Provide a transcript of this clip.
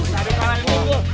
tadi kalan gue